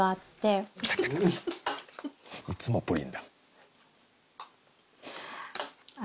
いつもプリンだ。